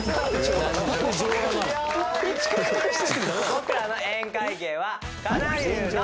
僕らの宴会芸は。